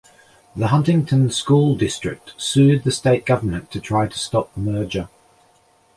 The Huntington School District sued the state government to try to stop the merger.